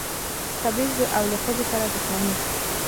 تبعیض او له ښځو سره دښمني.